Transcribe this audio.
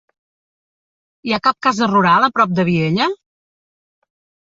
Hi ha cap casa rural a prop de Viella?